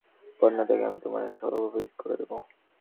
বন্যা, তাকে আমি তোমার সভাকবি করে দেব।